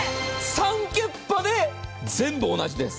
サンキュッパで全部同じです。